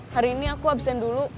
hari ini aku absen dulu